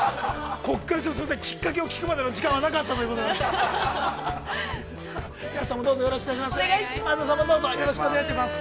きっかけを聞くまでの時間はなかったということでございます。